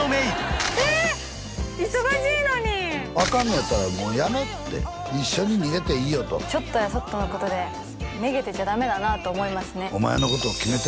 忙しいのに「アカンのやったらもうやめえ」って「一緒に逃げていいよ」とちょっとやそっとのことでめげてちゃダメだなと思いますね